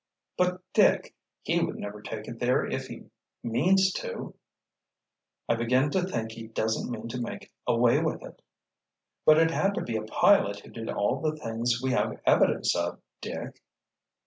"But Dick—he would never take it there if he means to——" "I begin to think he doesn't mean to make away with it." "But it had to be a pilot who did all the things we have evidence of, Dick."